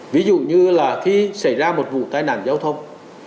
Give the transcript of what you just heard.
ví dụ như là khi xảy ra một vụ tai nạn giao thông